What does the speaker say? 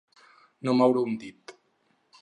No moure un dit.